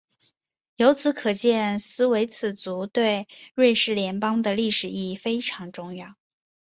由此可见施维茨州对瑞士邦联的历史意义非常重要。